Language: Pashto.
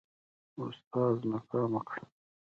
اوستاذ ناکامه کړمه.